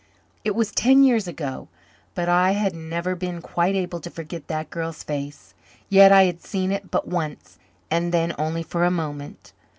It was ten years ago, but I had never been quite able to forget that girl's face. Yet I had seen it but once and then only for a moment.